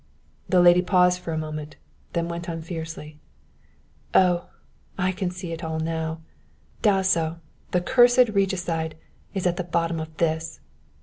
The lady paused for a moment, then went on fiercely "Oh! I can see it all now. Dasso, the cursed regicide, is at the bottom of this.